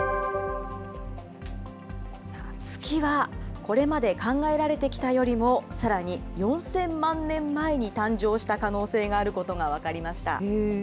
月は、これまで考えられてきたよりも、さらに４０００万年前に誕生した可能性があることが分かりました。